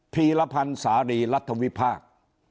พีรพันธ์สารีรัฐวิพากษ์